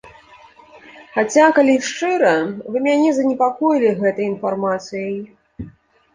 Хаця, калі шчыра, вы мяне занепакоілі гэтай інфармацыяй.